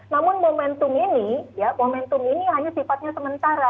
namun momentum ini ya momentum ini hanya sifatnya sementara